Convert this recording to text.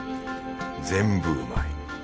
全部うまい。